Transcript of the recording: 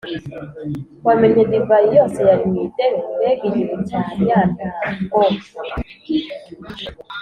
wamennye divayi yose yari mu idebe? mbega igihu cya nyantango!